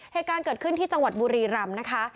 เหตุการณ์เกิดขึ้นที่จังหวัดบุรีรำนะคะ